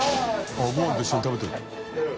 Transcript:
ごはんと一緒に食べてる。